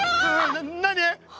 な何？